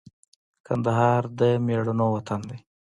کندهار د مېړنو وطن دی